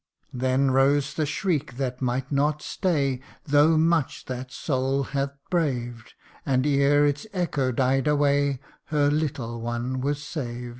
Then rose the shriek that might not stay, Though much that soul had braved ; And ere its echo died away, Her little one was saved.